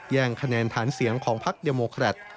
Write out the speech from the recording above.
แย่งคะแนนฐานเสียงของพั้งดีโมครัททร์